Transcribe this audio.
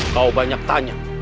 kau banyak tanya